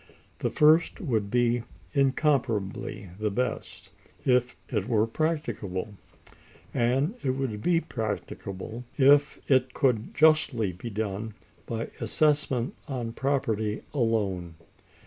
The first would be incomparably the best, if it were practicable; and it would be practicable if it could justly be done by assessment on property alone.